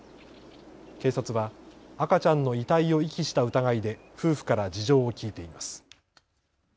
警察は赤ちゃんの遺体を遺棄した疑いで夫婦から事情を聞いています。